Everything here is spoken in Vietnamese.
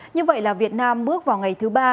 như vậy là việt nam bước vào ngày thứ ba